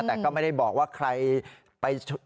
แต่ก็ไม่ได้บอกว่าใครไป